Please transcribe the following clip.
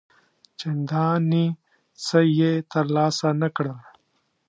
چنداني څه یې تر لاسه نه کړل.